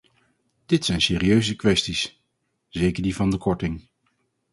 Dit zijn serieuze kwesties, zeker die van de korting.